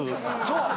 そう。